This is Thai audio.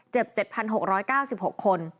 เจ็บ๗๖๙๖คน